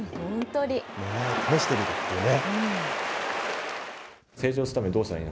試してるっていうね。